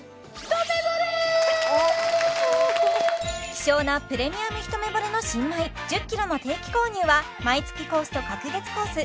希少なプレミアムひとめぼれの新米１０ｋｇの定期購入は毎月コースと隔月コース